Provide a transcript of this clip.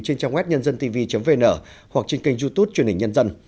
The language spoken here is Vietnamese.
trên trang web nhândântv vn hoặc trên kênh youtube truyền hình nhân dân